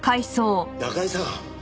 中居さん